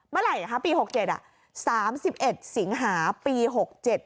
เมื่อไหร่อ่ะค่ะปีหกเจ็ดอ่ะสามสิบเอ็ดสิงหาปีหกเจ็ด